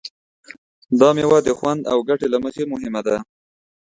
دا مېوه د خوند او ګټې له مخې مهمه ده.